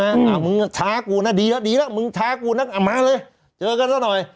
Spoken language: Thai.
อ่ามึงช้ากูนะดีแล้วดีแล้วมึงท้ากูนักมาเลยเจอกันซะหน่อย